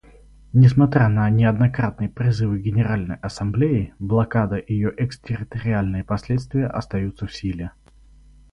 Несмотря на неоднократные призывы Генеральной Ассамблеи, блокада и ее экстерриториальные последствия остаются в силе.